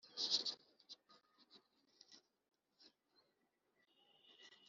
gucagura imyenda fabiora yarebye hidaya nuko